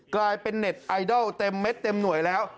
กลายเป็นเน็ตไอดอลเต็มเม็ดเต็มหน่วยแล้ว